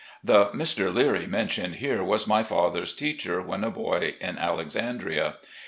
The Mr. Leary mentioned here was my father's teacher when a boy in Alexandria.